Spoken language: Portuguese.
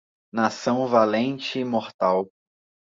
Nação valente, imortal